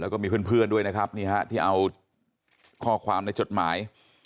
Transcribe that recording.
แล้วก็มีเพื่อนด้วยนะครับนี่ฮะที่เอาข้อความในจดหมาย